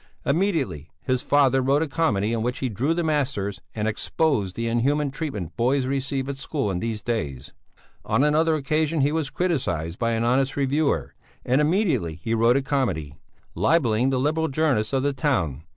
Immediately his father wrote a comedy in which he drew the masters and exposed the inhuman treatment boys receive at school in these days. On another occasion he was criticized by an honest reviewer, and immediately he wrote a comedy, libelling the liberal journalists of the town.